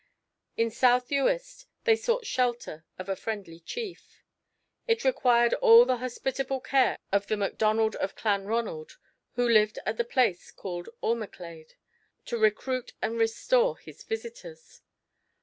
In South Uist they sought shelter of a friendly chief. It required all the hospitable care of the Macdonald of Clanronald, who lived at a place called Ormaclade, to recruit and restore his visitors.